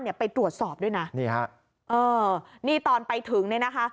ไปตรวจสอบด้วยนะนี่ฮะเออนี่ตอนไปถึงเนี่ยนะคะ